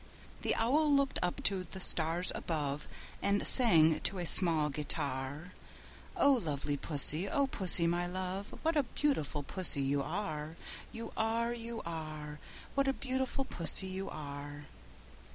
The Owl looked up to the stars above, And sang to a small guitar, "O lovely Pussy, O Pussy, my love, What a beautiful Pussy you are, You are, You are! What a beautiful Pussy you are!"